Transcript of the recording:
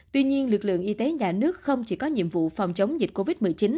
tuy nhiên lực lượng y tế nhà nước không chỉ có nhiệm vụ phòng chống dịch covid một mươi chín